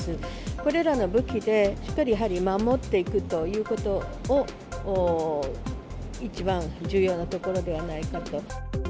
これらの武器で、しっかりやはり守っていくということを、一番重要なところではないかと。